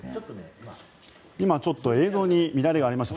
今、ちょっと映像に乱れがありました。